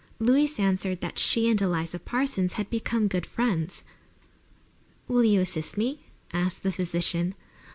Louise answered that she and Eliza Parsons had become good friends. "Will you assist me?" asked the physician.